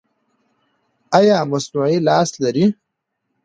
ایا مصنوعي لاس لرئ؟